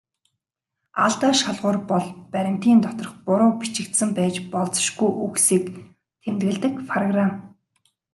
Алдаа шалгуур бол баримтын доторх буруу бичигдсэн байж болзошгүй үгсийг тэмдэглэдэг программ.